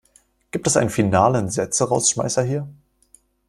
Gibt es einen finalen Sätzerausschmeißer hier?